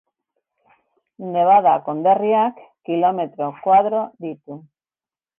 Nevada konderriak kilometro koadro ditu.